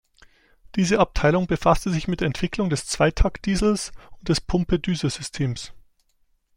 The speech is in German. Diese Abteilung befasste sich mit der Entwicklung des Zweitakt-Diesels und des Pumpe-Düse-Systems.